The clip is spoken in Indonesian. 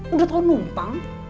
udah tau numpang